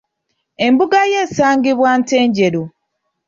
Embuga ye esangibwa Ntenjeru.